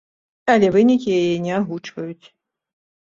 Але вынікі яе не агучваюць.